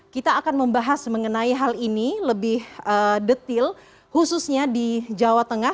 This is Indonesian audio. kita akan membahas mengenai hal ini lebih detail khususnya di jawa tengah